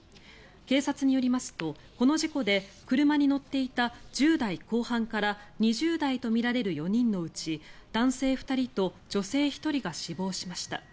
警察によりますとこの事故で車に乗っていた１０代後半から２０代とみられる４人のうち男性２人と女性１人が死亡しました。